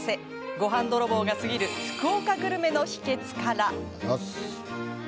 ごはん泥棒が過ぎる福岡グルメの秘けつから。